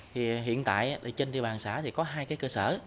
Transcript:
hiện tại trên địa bàn xã có hai cơ sở